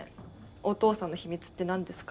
お父さんの秘密ってなんですか？